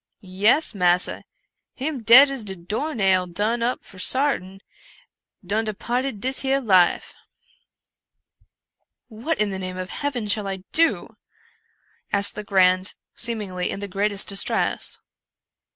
" Yes, massa, him dead as de door nail — done up for sartin — done departed dis here life." "What in the name of heaven shall I do?" asked Le grand, seemingly in the greatest distress.